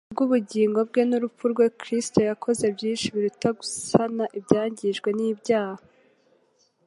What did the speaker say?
Kubw'ubugingo bwe n'urupfu rwe, Kristo yakoze byinshi biruta gusana ibyangijwe n'ibyaha.